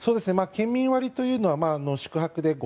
県民割というのは宿泊で５０００円